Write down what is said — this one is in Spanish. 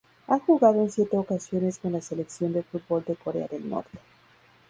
Ha jugado en siete ocasiones con la selección de fútbol de Corea del Norte.